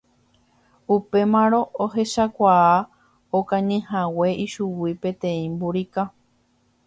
Upémarõ ohechakuaa okañyhague ichugui peteĩ mburika